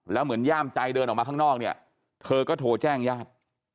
แล้วเหมือนย่ามใจเดินออกมาข้างนอกเนี่ยเธอก็โทรแจ้งญาติ